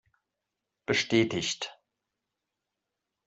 Bestätigt!